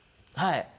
はい。